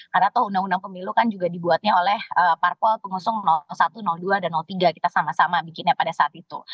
karena tuh undang undang pemilu kan juga dibuatnya oleh parpol pengusung satu dua dan tiga kita sama sama bikinnya pada saat itu